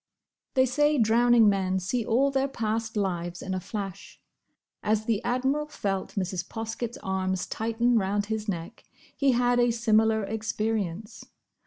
They say drowning men see all their past lives in a flash. As the Admiral felt Mrs. Poskett's arms tighten round his neck, he had a similar experience.